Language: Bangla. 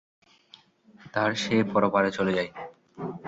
তার সে পরপারে চলে যায়।